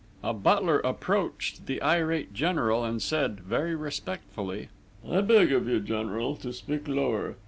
A butler approached the irate General and said, very respectfully: "I beg of you, General, to speak lower!